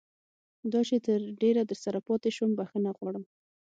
دا چې تر ډېره درسره پاتې شوم بښنه غواړم.